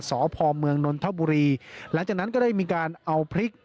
สพเมืองนนทบุรีหลังจากนั้นก็ได้มีการเอาพริก